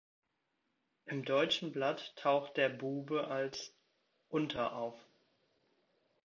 Im deutschen Blatt taucht der Bube als →Unter auf.